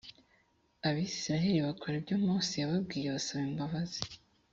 abisirayeli bakora ibyo mose yababwiye basaba imbabazi